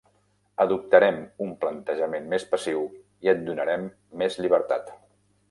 Adoptarem un plantejament més passiu i et donarem més llibertat.